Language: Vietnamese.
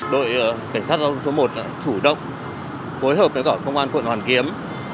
đội cảnh sát giao thông số một thủ động phối hợp với công an quận hoàn kiếm